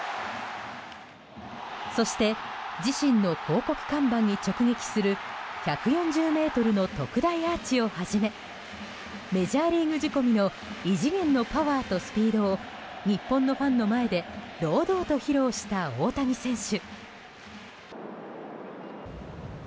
そして自身の広告看板に直撃する１４０ｍの特大アーチをはじめメジャーリーグ仕込みの異次元のパワーとスピードを日本のファンの前で堂々と披露した大谷選手。